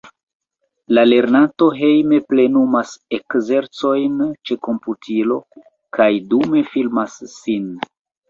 La lernanto hejme plenumas ekzercojn ĉe komputilo kaj dume filmas sin.